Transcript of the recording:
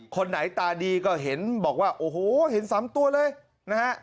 คนไหนตาดีก็เห็นบอกว่าโอ้โหเห็น๓ตัวเลยนะฮะ